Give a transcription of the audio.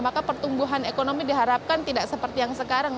maka pertumbuhan ekonomi diharapkan tidak seperti yang sekarang